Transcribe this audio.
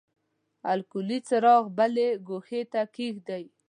الکولي څراغ بلې ګوښې ته کیږدئ.